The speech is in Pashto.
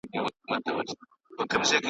مڼې د روغتیا لپاره ګټورې دي.